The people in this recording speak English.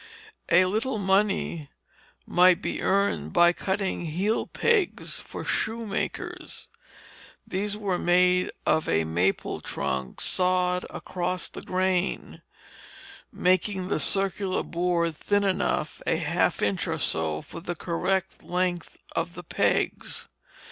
A little money might be earned by cutting heel pegs for shoemakers. These were made of a maple trunk sawed across the grain, making the circular board thin enough a half inch or so for the correct length of the pegs.